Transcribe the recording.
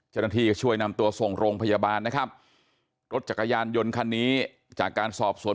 เจ้าหน้าที่ก็ช่วยนำตัวส่งโรงพยาบาลนะครับรถจักรยานยนต์คันนี้จากการสอบสวน